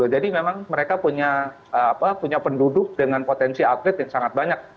jadi memang mereka punya penduduk dengan potensi atlet yang sangat banyak